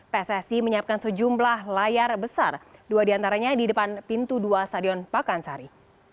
pssi menyiapkan sejumlah layar besar dua di antaranya di depan pintu dua sadeon pakansari